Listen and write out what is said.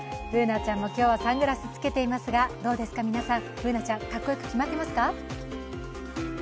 Ｂｏｏｎａちゃんも今日はサングラス着けていますが、どうですか、Ｂｏｏｎａちゃん、格好よく決まっていますか。